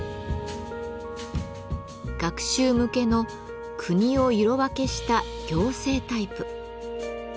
学習向けの国を色分けした行政タイプ。